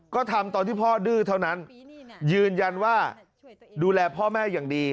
ก็ทำตอนที่พ่อดื้อเท่านั้นยืนยันว่าดูแลพ่อแม่อย่างดี